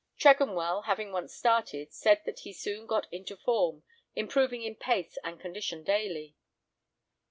Tregonwell, having once started, said that he soon got into form, improving in pace and condition daily.